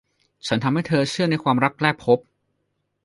ฉันทำให้เธอเชื่อในความรักแรกพบ